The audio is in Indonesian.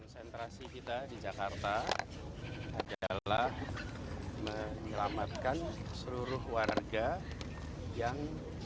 sentrasi kita di jakarta adalah menyelamatkan seluruh warga yang